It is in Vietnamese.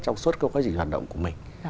trong suốt cái quá trình hoạt động của mình